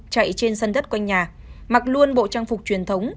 chạy trên sân đất quanh nhà mặc luôn bộ trang phục truyền thống